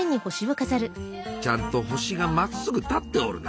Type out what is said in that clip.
ちゃんと星がまっすぐ立っておるな。